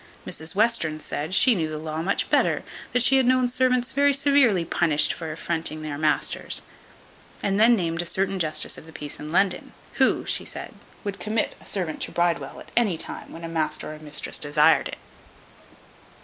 Mrs Western said, "she knew the law much better; that she had known servants very severely punished for affronting their masters;" and then named a certain justice of the peace in London, "who," she said, "would commit a servant to Bridewell at any time when a master or mistress desired it."